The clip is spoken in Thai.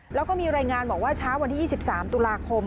แล้วก็มีรายงานบอกว่าเช้าวันที่๒๓ตุลาคม